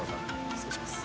失礼します。